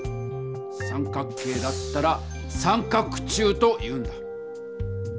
三角形だったら「三角柱」というんだ。